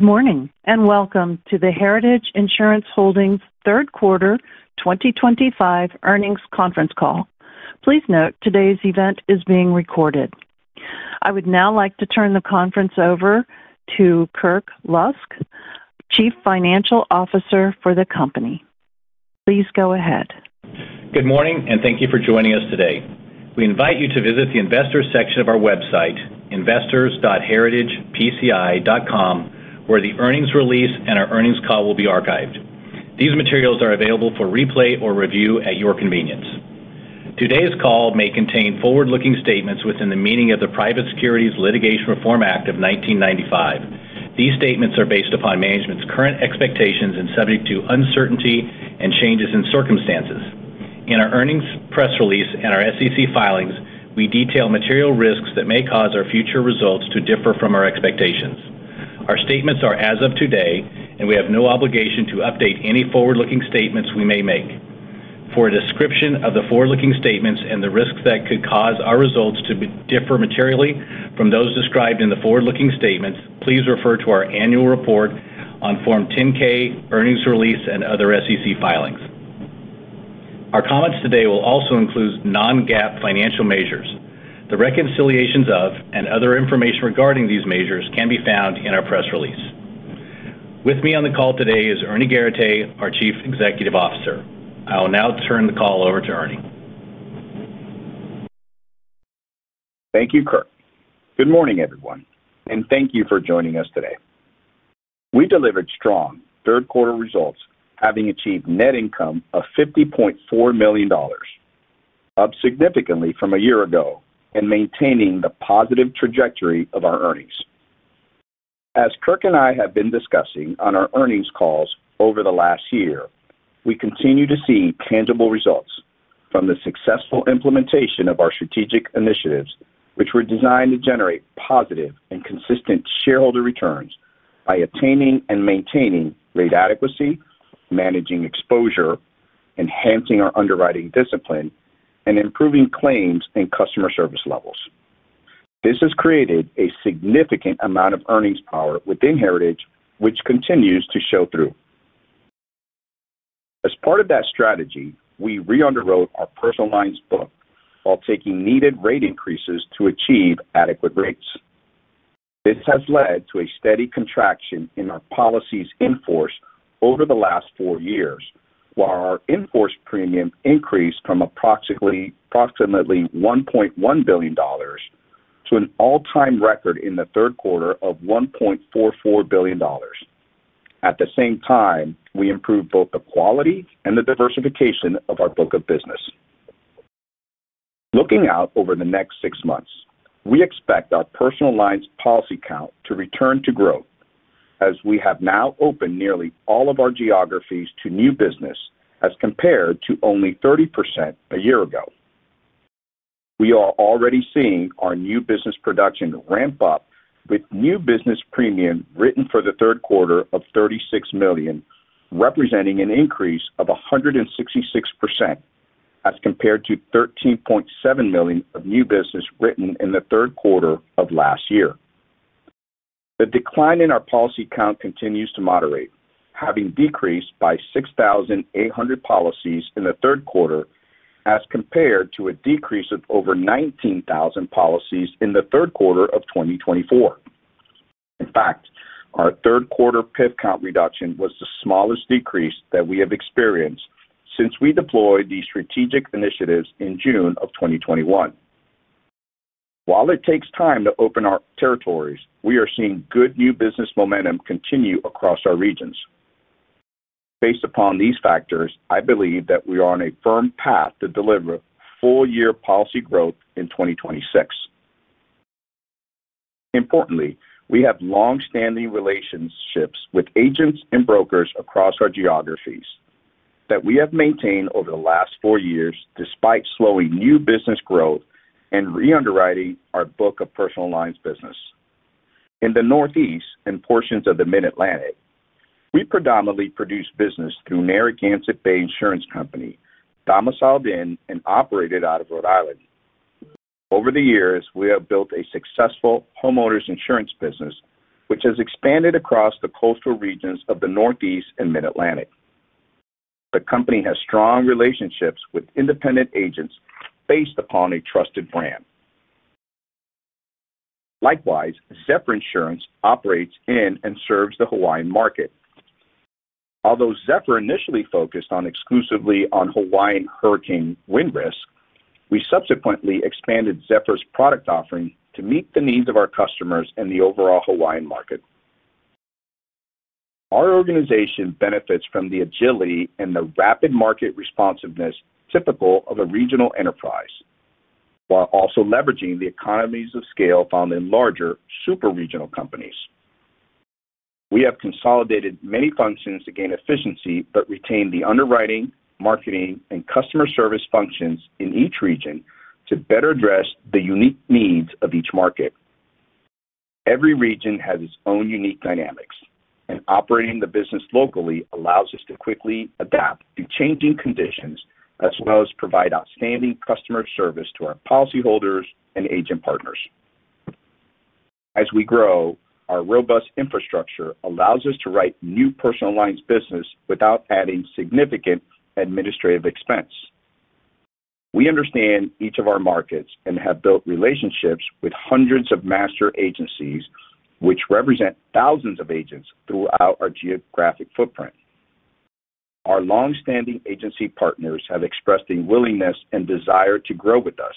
Good morning and welcome to the Heritage Insurance Holdings third quarter 2025 earnings conference call. Please note today's event is being recorded. I would now like to turn the conference over to Kirk Lusk, Chief Financial Officer for the company. Please go ahead. Good morning and thank you for joining us today. We invite you to visit the investor section of our website, investors.heritagepci.com, where the earnings release and our earnings call will be archived. These materials are available for replay or review at your convenience. Today's call may contain forward-looking statements within the meaning of the Private Securities Litigation Reform Act of 1995. These statements are based upon management's current expectations and subject to uncertainty and changes in circumstances. In our earnings press release and our SEC filings, we detail material risks that may cause our future results to differ from our expectations. Our statements are as of today, and we have no obligation to update any forward-looking statements we may make. For a description of the forward-looking statements and the risks that could cause our results to differ materially from those described in the forward-looking statements, please refer to our annual report on Form 10-K, earnings release, and other SEC filings. Our comments today will also include non-GAAP financial measures. The reconciliations of and other information regarding these measures can be found in our press release. With me on the call today is Ernie Garateix, our Chief Executive Officer. I will now turn the call over to Ernie. Thank you, Kirk. Good morning, everyone, and thank you for joining us today. We delivered strong third quarter results, having achieved net income of $50.4 million. Up significantly from a year ago and maintaining the positive trajectory of our earnings. As Kirk and I have been discussing on our earnings calls over the last year, we continue to see tangible results from the successful implementation of our strategic initiatives, which were designed to generate positive and consistent shareholder returns by attaining and maintaining rate adequacy, managing exposure, enhancing our underwriting discipline, and improving claims and customer service levels. This has created a significant amount of earnings power within Heritage, which continues to show through. As part of that strategy, we re-underwrote our personal lines book while taking needed rate increases to achieve adequate rates. This has led to a steady contraction in our policies in force over the last four years, while our in force premium increased from approximately $1.1 billion to an all-time record in the third quarter of $1.44 billion. At the same time, we improved both the quality and the diversification of our book of business. Looking out over the next six months, we expect our personal lines policy count to return to growth, as we have now opened nearly all of our geographies to new business as compared to only 30% a year ago. We are already seeing our new business production ramp up, with new business premium written for the third quarter of $36 million, representing an increase of 166% as compared to $13.7 million of new business written in the third quarter of last year. The decline in our policy count continues to moderate, having decreased by 6,800 policies in the third quarter as compared to a decrease of over 19,000 policies in the third quarter of 2024. In fact, our third quarter PIF count reduction was the smallest decrease that we have experienced since we deployed these strategic initiatives in June of 2021. While it takes time to open our territories, we are seeing good new business momentum continue across our regions. Based upon these factors, I believe that we are on a firm path to deliver full-year policy growth in 2026. Importantly, we have long-standing relationships with agents and brokers across our geographies that we have maintained over the last four years, despite slowing new business growth and re-underwriting our book of personal lines business. In the Northeast and portions of the Mid-Atlantic, we predominantly produce business through Narragansett Bay Insurance Company, domiciled in and operated out of Rhode Island. Over the years, we have built a successful homeowners insurance business, which has expanded across the coastal regions of the Northeast and Mid-Atlantic. The company has strong relationships with independent agents based upon a trusted brand. Likewise, Zephyr Insurance operates in and serves the Hawaiian market. Although Zephyr initially focused exclusively on Hawaiian Hurricane Wind Risk, we subsequently expanded Zephyr's product offering to meet the needs of our customers and the overall Hawaiian market. Our organization benefits from the agility and the rapid market responsiveness typical of a regional enterprise, while also leveraging the economies of scale found in larger super regional companies. We have consolidated many functions to gain efficiency but retain the underwriting, marketing, and customer service functions in each region to better address the unique needs of each market. Every region has its own unique dynamics, and operating the business locally allows us to quickly adapt to changing conditions as well as provide outstanding customer service to our policyholders and agent partners. As we grow, our robust infrastructure allows us to write new personal lines business without adding significant administrative expense. We understand each of our markets and have built relationships with hundreds of master agencies, which represent thousands of agents throughout our geographic footprint. Our long-standing agency partners have expressed a willingness and desire to grow with us,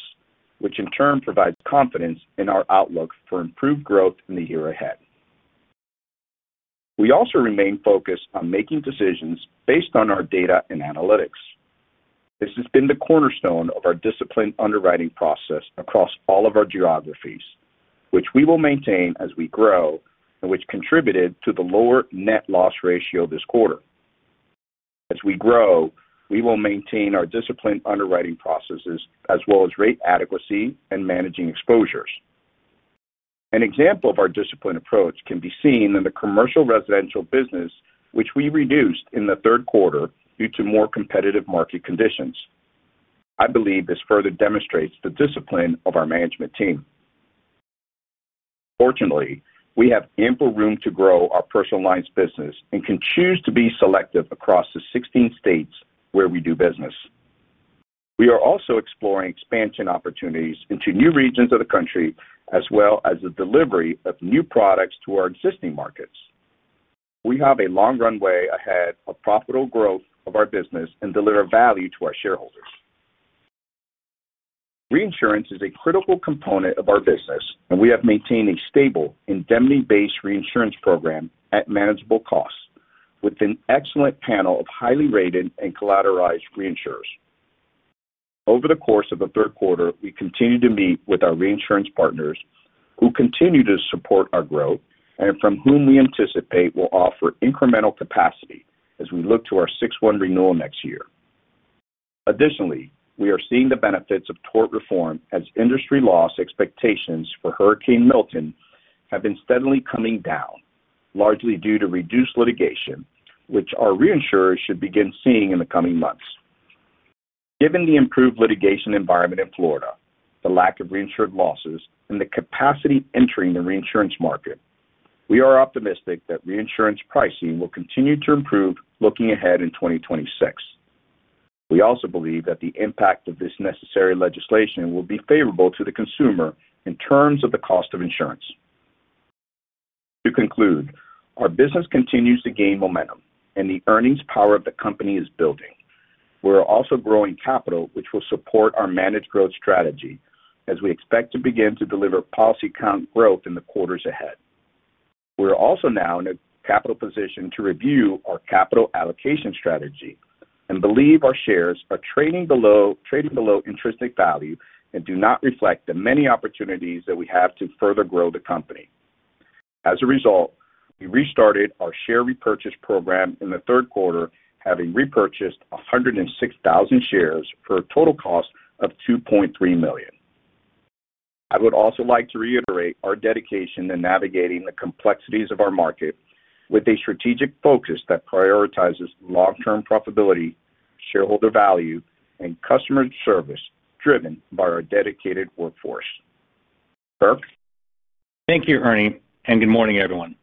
which in turn provides confidence in our outlook for improved growth in the year ahead. We also remain focused on making decisions based on our data and analytics. This has been the cornerstone of our disciplined underwriting process across all of our geographies, which we will maintain as we grow and which contributed to the lower net loss ratio this quarter. As we grow, we will maintain our disciplined underwriting processes as well as rate adequacy and managing exposures. An example of our disciplined approach can be seen in the commercial residential business, which we reduced in the third quarter due to more competitive market conditions. I believe this further demonstrates the discipline of our management team. Fortunately, we have ample room to grow our personal lines business and can choose to be selective across the 16 states where we do business. We are also exploring expansion opportunities into new regions of the country as well as the delivery of new products to our existing markets. We have a long runway ahead of profitable growth of our business and deliver value to our shareholders. Reinsurance is a critical component of our business, and we have maintained a stable indemnity-based reinsurance program at manageable costs with an excellent panel of highly rated and collateralized reinsurers. Over the course of the third quarter, we continue to meet with our reinsurance partners who continue to support our growth and from whom we anticipate will offer incremental capacity as we look to our 6-1 renewal next year. Additionally, we are seeing the benefits of tort reform as industry loss expectations for Hurricane Milton have been steadily coming down, largely due to reduced litigation, which our reinsurers should begin seeing in the coming months. Given the improved litigation environment in Florida, the lack of reinsured losses, and the capacity entering the reinsurance market, we are optimistic that reinsurance pricing will continue to improve looking ahead in 2026. We also believe that the impact of this necessary legislation will be favorable to the consumer in terms of the cost of insurance. To conclude, our business continues to gain momentum, and the earnings power of the company is building. We are also growing capital, which will support our managed growth strategy as we expect to begin to deliver policy count growth in the quarters ahead. We are also now in a capital position to review our capital allocation strategy and believe our shares are trading below interesting value and do not reflect the many opportunities that we have to further grow the company. As a result, we restarted our share repurchase program in the third quarter, having repurchased 106,000 shares for a total cost of $2.3 million. I would also like to reiterate our dedication in navigating the complexities of our market with a strategic focus that prioritizes long-term profitability, shareholder value, and customer service driven by our dedicated workforce. Kirk? Thank you, Ernie, and good morning, everyone.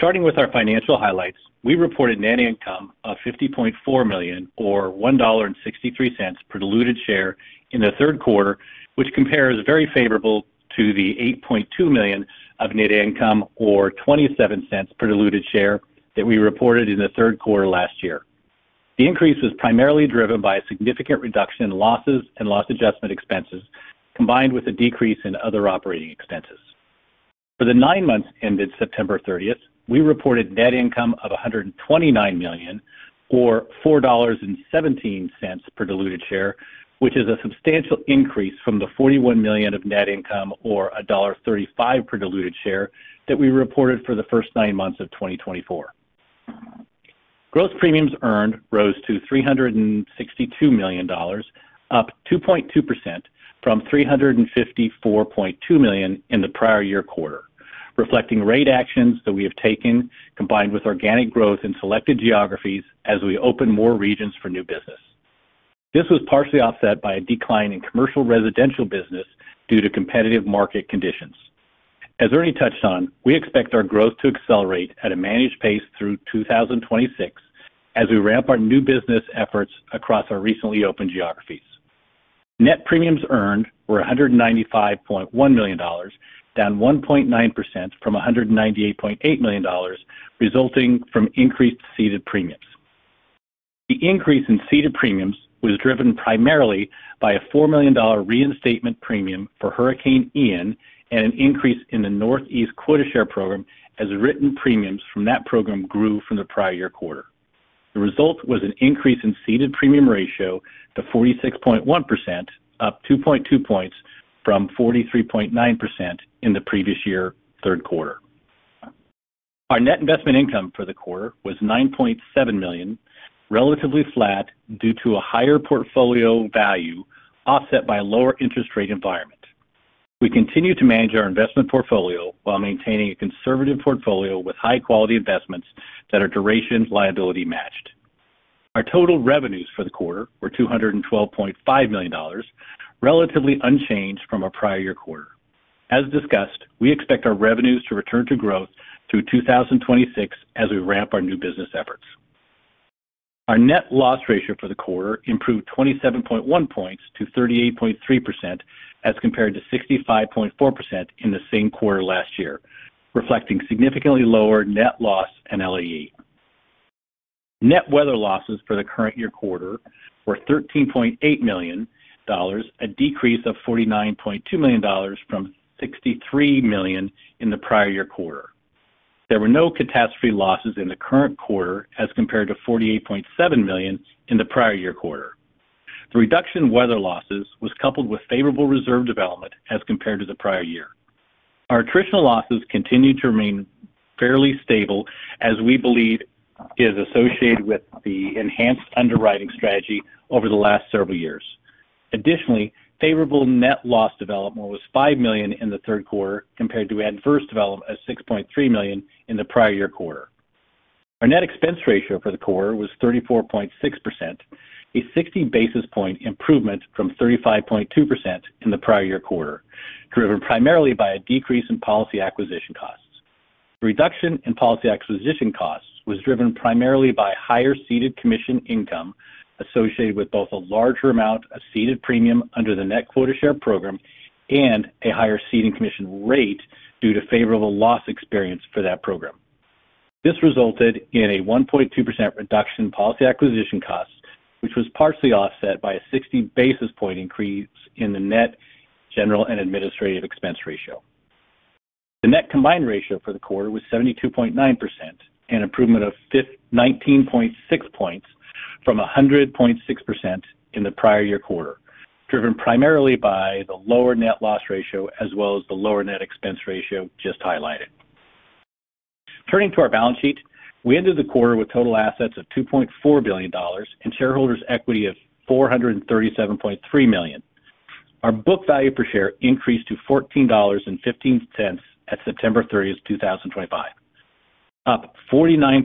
Starting with our financial highlights, we reported net income of $50.4 million, or $1.63 per diluted share in the third quarter, which compares very favorably to the $8.2 million of net income, or $0.27 per diluted share that we reported in the third quarter last year. The increase was primarily driven by a significant reduction in losses and loss adjustment expenses combined with a decrease in other operating expenses. For the nine months ended September 30th, we reported net income of $129 million, or $4.17 per diluted share, which is a substantial increase from the $41 million of net income, or $1.35 per diluted share that we reported for the first nine months of 2024. Gross premiums earned rose to $362 million, up 2.2% from $354.2 million in the prior year quarter, reflecting rate actions that we have taken combined with organic growth in selected geographies as we open more regions for new business. This was partially offset by a decline in commercial residential business due to competitive market conditions. As Ernie touched on, we expect our growth to accelerate at a managed pace through 2026 as we ramp our new business efforts across our recently opened geographies. Net premiums earned were $195.1 million, down 1.9% from $198.8 million, resulting from increased ceded premiums. The increase in ceded premiums was driven primarily by a $4 million reinstatement premium for Hurricane Ian and an increase in the Northeast quota share program as written premiums from that program grew from the prior year quarter. The result was an increase in ceded premium ratio to 46.1%, up 2.2 points from 43.9% in the previous year third quarter. Our net investment income for the quarter was $9.7 million, relatively flat due to a higher portfolio value offset by a lower interest rate environment. We continue to manage our investment portfolio while maintaining a conservative portfolio with high-quality investments that are duration liability matched. Our total revenues for the quarter were $212.5 million, relatively unchanged from our prior year quarter. As discussed, we expect our revenues to return to growth through 2026 as we ramp our new business efforts. Our net loss ratio for the quarter improved 27.1 points to 38.3% as compared to 65.4% in the same quarter last year, reflecting significantly lower net loss and LAE. Net weather losses for the current year quarter were $13.8 million, a decrease of $49.2 million from $63 million in the prior year quarter. There were no catastrophe losses in the current quarter as compared to $48.7 million in the prior year quarter. The reduction in weather losses was coupled with favorable reserve development as compared to the prior year. Our attritional losses continue to remain fairly stable, as we believe is associated with the enhanced underwriting strategy over the last several years. Additionally, favorable net loss development was $5 million in the third quarter compared to adverse development of $6.3 million in the prior year quarter. Our net expense ratio for the quarter was 34.6%, a 60 basis point improvement from 35.2% in the prior year quarter, driven primarily by a decrease in policy acquisition costs. The reduction in policy acquisition costs was driven primarily by higher ceded commission income associated with both a larger amount of ceded premium under the net quota share program and a higher ceding commission rate due to favorable loss experience for that program. This resulted in a 1.2% reduction in policy acquisition costs, which was partially offset by a 60 basis point increase in the net general and administrative expense ratio. The net combined ratio for the quarter was 72.9%, an improvement of 19.6 points from 100.6% in the prior year quarter, driven primarily by the lower net loss ratio as well as the lower net expense ratio just highlighted. Turning to our balance sheet, we ended the quarter with total assets of $2.4 billion and shareholders' equity of $437.3 million. Our book value per share increased to $14.15 at September 30th, 2025. Up 49%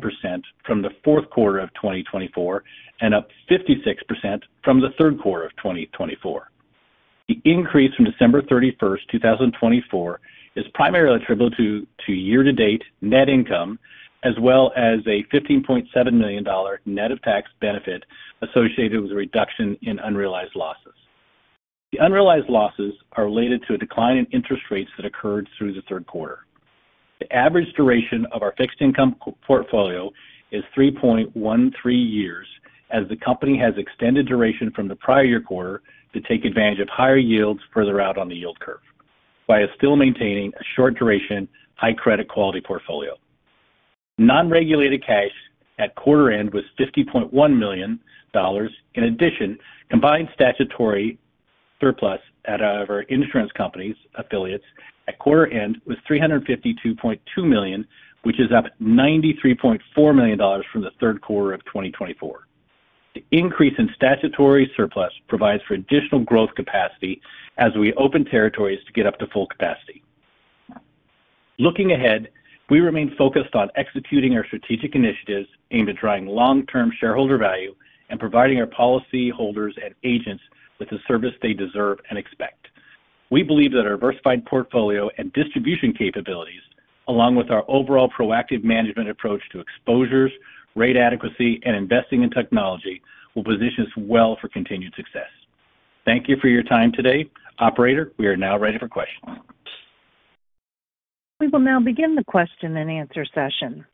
from the fourth quarter of 2024 and up 56% from the third quarter of 2024. The increase from December 31, 2024, is primarily attributable to year-to-date net income as well as a $15.7 million net of tax benefit associated with a reduction in unrealized losses. The unrealized losses are related to a decline in interest rates that occurred through the third quarter. The average duration of our fixed income portfolio is 3.13 years as the company has extended duration from the prior year quarter to take advantage of higher yields further out on the yield curve by still maintaining a short duration, high credit quality portfolio. Non-regulated cash at quarter-end was $50.1 million. In addition, combined statutory surplus at our insurance companies' affiliates at quarter-end was $352.2 million, which is up $93.4 million from the third quarter of 2024. The increase in statutory surplus provides for additional growth capacity as we open territories to get up to full capacity. Looking ahead, we remain focused on executing our strategic initiatives aimed at driving long-term shareholder value and providing our policyholders and agents with the service they deserve and expect. We believe that our diversified portfolio and distribution capabilities, along with our overall proactive management approach to exposures, rate adequacy, and investing in technology, will position us well for continued success. Thank you for your time today. Operator, we are now ready for questions. We will now begin the question and answer session.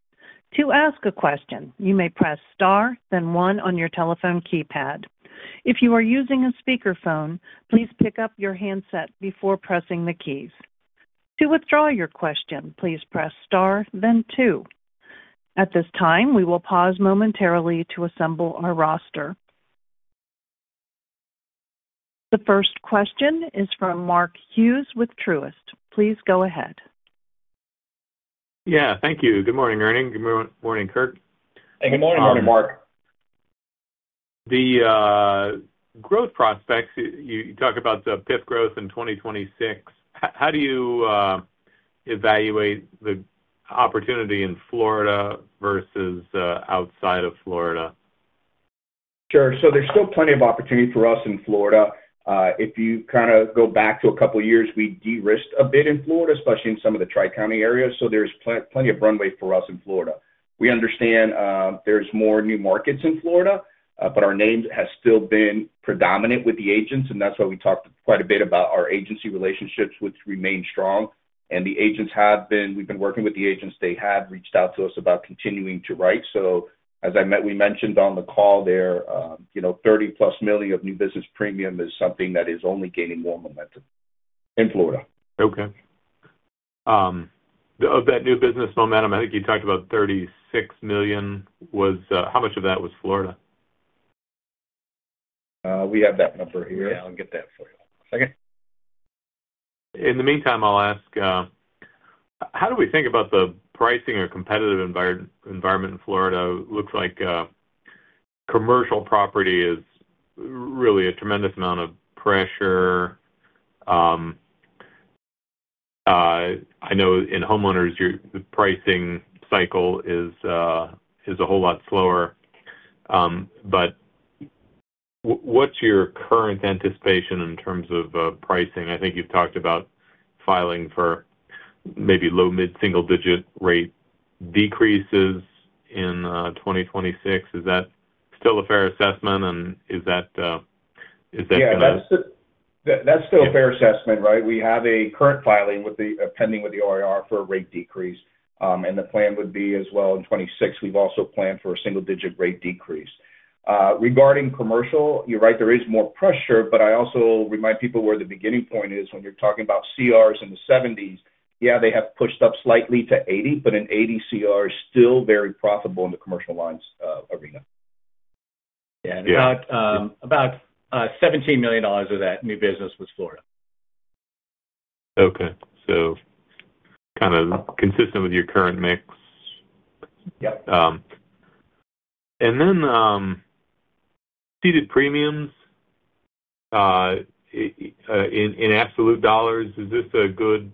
To ask a question, you may press star, then one on your telephone keypad. If you are using a speakerphone, please pick up your handset before pressing the keys. To withdraw your question, please press star, then two. At this time, we will pause momentarily to assemble our roster. The first question is from Mark Hughes with Truist. Please go ahead. Yeah. Thank you. Good morning, Ernie. Good morning, Kirk. Hey. Good morning, Mark. Good morning, Mark. The growth prospects, you talk about the PIF growth in 2026. How do you evaluate the opportunity in Florida vs outside of Florida? Sure. So there's still plenty of opportunity for us in Florida. If you kind of go back to a couple of years, we de-risked a bit in Florida, especially in some of the Tri-County areas. So there's plenty of runway for us in Florida. We understand there's more new markets in Florida, but our name has still been predominant with the agents, and that's why we talked quite a bit about our agency relationships, which remain strong. The agents have been—we've been working with the agents. They have reached out to us about continuing to write. As I mentioned on the call there, $30+ million of new business premium is something that is only gaining more momentum in Florida. Okay. Of that new business momentum, I think you talked about $36 million. How much of that was Florida? We have that number here. Yeah. I'll get that for you. One second. In the meantime, I'll ask. How do we think about the pricing or competitive environment in Florida? It looks like commercial property is really a tremendous amount of pressure. I know in homeowners, the pricing cycle is a whole lot slower. What's your current anticipation in terms of pricing? I think you've talked about filing for maybe low, mid-single-digit rate decreases in 2026. Is that still a fair assessment, and is that going to? Yeah. That's still a fair assessment, right? We have a current filing pending with the OIR for a rate decrease, and the plan would be as well in 2026. We've also planned for a single-digit rate decrease. Regarding commercial, you're right, there is more pressure, but I also remind people where the beginning point is when you're talking about CRs in the 70s. Yeah, they have pushed up slightly to 80, but an 80 CR is still very profitable in the commercial lines arena. Yeah. About $17 million of that new business was Florida. Okay. Kind of consistent with your current mix. Yep. Seeded premiums. In absolute dollars, is this a good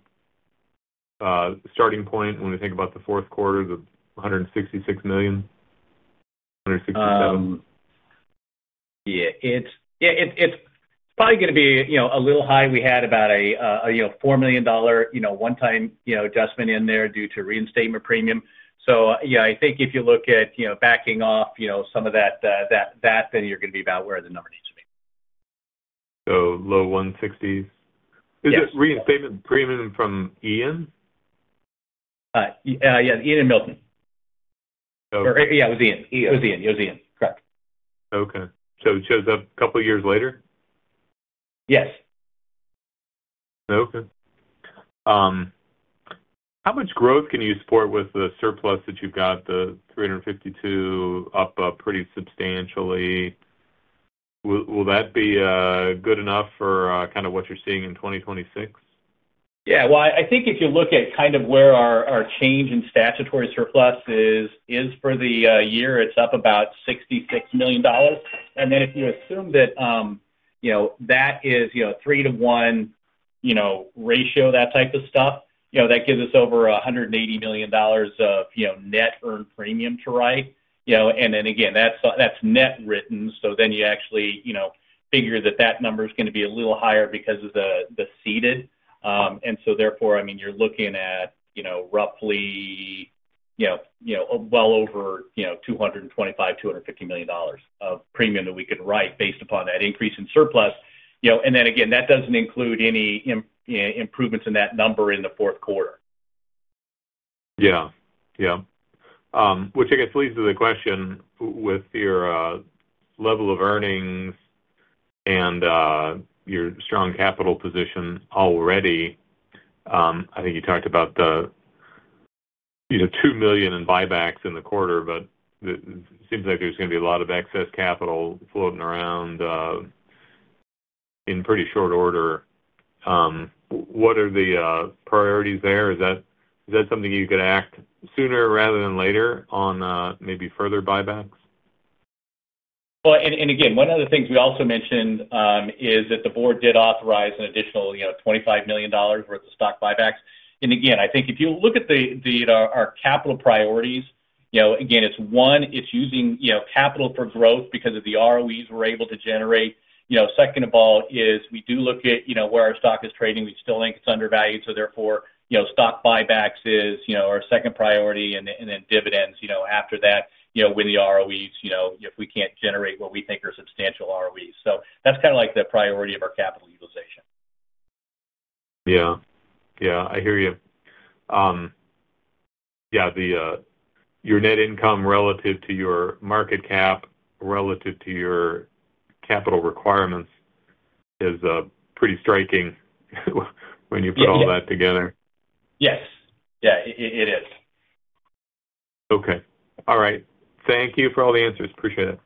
starting point when we think about the fourth quarter of $166 million, $167 million? Yeah. It's probably going to be a little high. We had about a $4 million one-time adjustment in there due to reinstatement premium. Yeah, I think if you look at backing off some of that, then you're going to be about where the number needs to be. Low $160s million? Yeah. Is it reinstatement premium from Ian? Yeah. Ian and Milton. Okay. Yeah. It was Ian. Correct. Okay. So it shows up a couple of years later? Yes. Okay. How much growth can you support with the surplus that you've got, the $352 million, up pretty substantially? Will that be good enough for kind of what you're seeing in 2026? Yeah. I think if you look at kind of where our change in statutory surplus is for the year, it's up about $66 million. If you assume that is a 3 to 1 ratio, that type of stuff, that gives us over $180 million of net earned premium to write. Again, that's net written, so you actually figure that number is going to be a little higher because of the ceded. Therefore, I mean, you're looking at roughly well over $225 million-$250 million of premium that we could write based upon that increase in surplus. Again, that doesn't include any improvements in that number in the fourth quarter. Yeah. Yeah. Which, I guess, leads to the question with your level of earnings. Your strong capital position already. I think you talked about the $2 million in buybacks in the quarter, but it seems like there's going to be a lot of excess capital floating around. In pretty short order. What are the priorities there? Is that something you could act sooner rather than later on maybe further buybacks? One of the things we also mentioned is that the board did authorize an additional $25 million worth of stock buybacks. I think if you look at our capital priorities, it's one, it's using capital for growth because of the ROEs we're able to generate. Second of all, we do look at where our stock is trading. We still think it's undervalued. Therefore, stock buybacks is our second priority, and then dividends after that with the ROEs if we can't generate what we think are substantial ROEs. That's kind of like the priority of our capital utilization. Yeah. Yeah. I hear you. Yeah. Your net income relative to your market cap, relative to your capital requirements, is pretty striking. When you put all that together. Yes. Yeah. It is. Okay. All right. Thank you for all the answers. Appreciate it.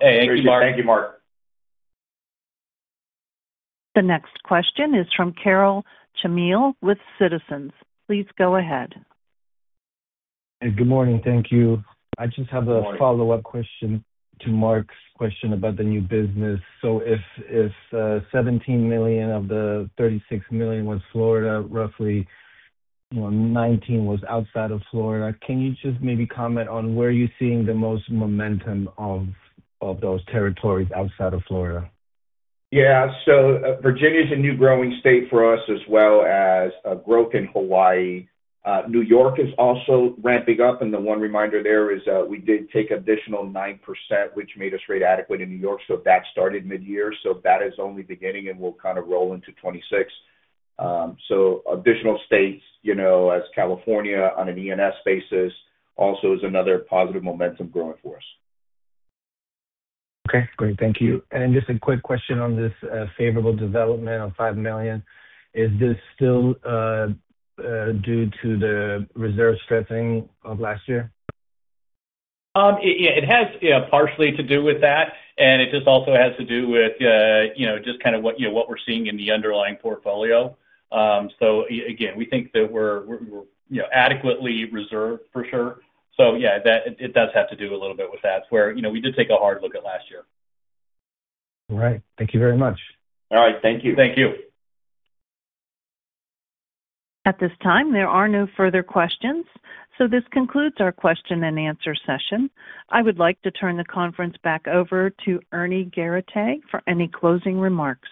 Hey. Thank you, Mark. Thank you, Mark. The next question is from Karol Chmiel with Citizens. Please go ahead. Good morning. Thank you. I just have a follow-up question to Mark's question about the new business. So if $17 million of the $36 million was Florida, roughly $19 million was outside of Florida, can you just maybe comment on where you're seeing the most momentum of those territories outside of Florida? Yeah. Virginia is a new growing state for us, as well as growth in Hawaii. New York is also ramping up. The one reminder there is we did take additional 9%, which made us rate adequate in New York. That started mid-year. That is only beginning, and we'll kind of roll into 2026. Additional states, as California on an E&S basis, also is another positive momentum growing for us. Okay. Great. Thank you. Just a quick question on this favorable development of $5 million. Is this still due to the reserve strengthening of last year? Yeah. It has partially to do with that. It just also has to do with just kind of what we're seeing in the underlying portfolio. Again, we think that we're adequately reserved for sure. Yeah, it does have to do a little bit with that where we did take a hard look at last year. All right. Thank you very much. All right. Thank you. Thank you. At this time, there are no further questions. So this concludes our question and answer session. I would like to turn the conference back over to Ernie Garateix for any closing remarks.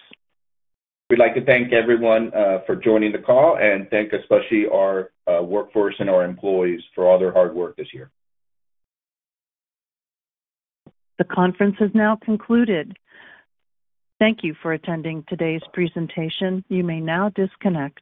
We'd like to thank everyone for joining the call and thank especially our workforce and our employees for all their hard work this year. The conference has now concluded. Thank you for attending today's presentation. You may now disconnect.